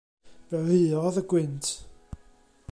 Fe ruodd y gwynt.